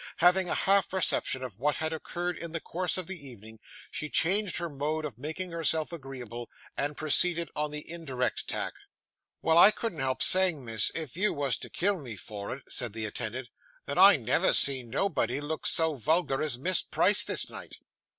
Having a half perception of what had occurred in the course of the evening, she changed her mode of making herself agreeable, and proceeded on the indirect tack. 'Well, I couldn't help saying, miss, if you was to kill me for it,' said the attendant, 'that I never see nobody look so vulgar as Miss Price this night.